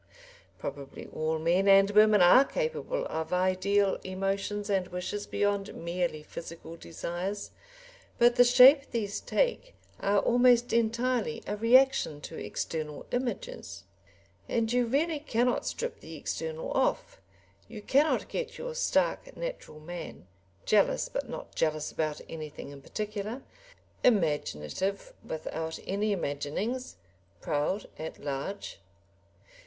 Probably all men and women are capable of ideal emotions and wishes beyond merely physical desires, but the shape these take are almost entirely a reaction to external images. And you really cannot strip the external off; you cannot get your stark natural man, jealous, but not jealous about anything in particular, imaginative without any imaginings, proud at large.